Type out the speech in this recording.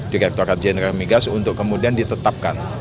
direkturat jenderal migas untuk kemudian ditetapkan